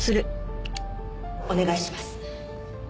お願いします。